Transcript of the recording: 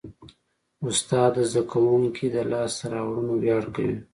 استاد د زده کوونکي د لاسته راوړنو ویاړ کوي.